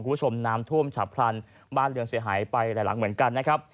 คุณผู้ชมน้ำท่วมฉับพลันบ้านเรือนเสียหายไปหลายหลังเหมือนกันนะครับ